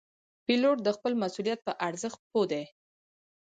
پیلوټ د خپل مسؤلیت په ارزښت پوه دی.